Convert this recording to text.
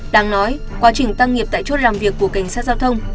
đáng nói quá trình tăng nghiệp tại chốt làm việc của cảnh sát giao thông